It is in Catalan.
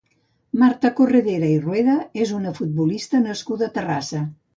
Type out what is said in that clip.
Marta Corredera i Rueda és una futbolista nascuda a Terrassa.